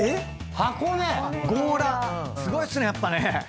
強羅すごいっすねやっぱね。